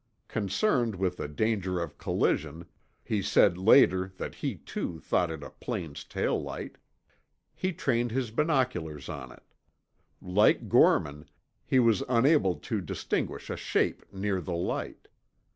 Concerned with the danger of collision—he said later that he, too, thought it a plane's tail light—he trained his binoculars on it. Like Gorman, he was unable to distinguish a shape near the light.